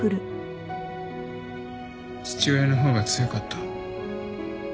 父親の方が強かった。